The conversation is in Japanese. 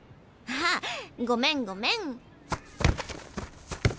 あごめんごめん。